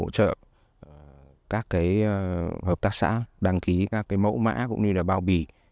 hỗ trợ các hợp tác xã đăng ký các mẫu mã cũng như là bao bì